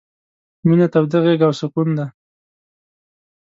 — مينه توده غېږه او سکون دی...